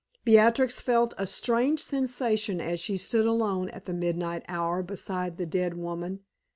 Beatrix felt a strange sensation as she stood alone at the midnight hour beside the dead woman.